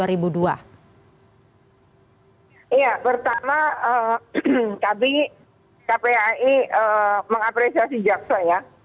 iya pertama kpi mengapresiasi jaksa ya